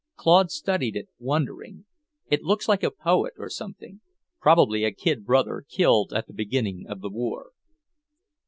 Claude studied it, wondering. "It looks like a poet, or something. Probably a kid brother, killed at the beginning of the war."